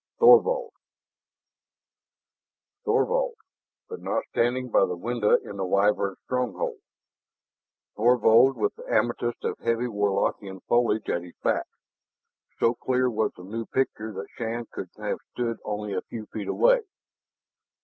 Thorvald Thorvald! But not standing by the window in the Wyvern stronghold! Thorvald with the amethyst of heavy Warlockian foliage at his back. So clear was the new picture that Shann might have stood only a few feet away.